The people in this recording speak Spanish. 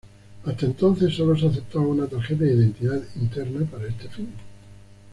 Hasta entonces, solo se aceptaba una tarjeta de identidad interna para este fin.